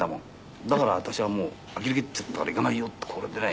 「だから私はもうあきれきっちゃったから行かないよ」とか言われてね。